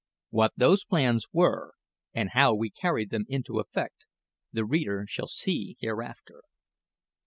What those plans were, and how we carried them into effect, the reader shall see hereafter.